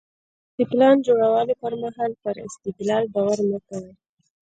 د پلان جوړولو پر مهال پر استدلال باور مه کوئ.